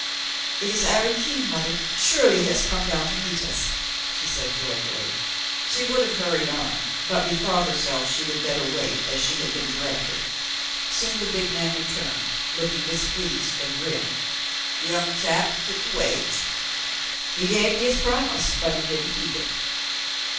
"It is 'Arry King, mother. Surely he has come down to meet us," she said joyfully. She would have hurried on, but bethought herself she would better wait as she had been directed. Soon the big man returned, looking displeased and grim. "Young chap couldn't wait. He gave me his promise, but he didn't keep it."